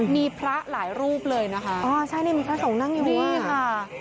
มีพระหลายรูปเลยนะคะอ๋อใช่นี่มีพระสงฆ์นั่งอยู่นี่ค่ะ